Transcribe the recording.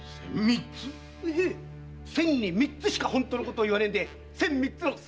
千に三つしか本当のことを言わないんで「千三つの千吉」と。